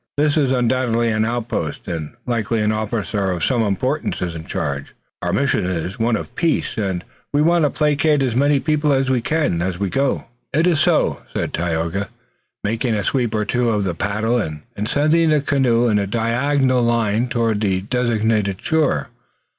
"This is undoubtedly an outpost, and, likely, an officer of some importance is in charge. Ours is a mission of peace, and we want to placate as many people as we can, as we go." "It is so," said Tayoga, making a sweep or two of the paddle, and sending the canoe in a diagonal line toward the designated shore.